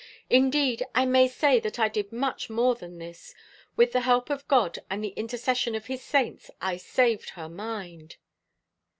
Indeed, I may say that I did much more than this. With the help of God and the intercession of His Saints I saved her mind."